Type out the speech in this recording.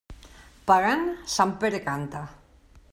Pagant, sant Pere canta!